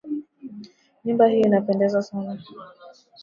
Nyumba hiyo inapendeza sana.